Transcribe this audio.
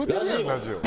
ラジオ。